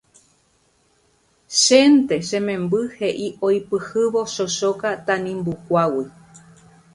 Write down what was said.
Chénte che memby he'i oipyhývo chochóka tanimbukuágui